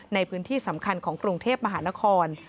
ในพื้นที่สำคัญของกรุงเทพมหานคร